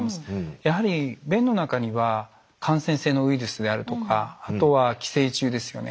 やはり便の中には感染性のウイルスであるとかあとは寄生虫ですよね。